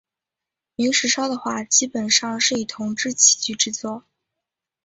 明石烧的话基本上是以铜制器具制作。